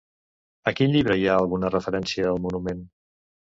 A quin llibre hi ha alguna referència al monument?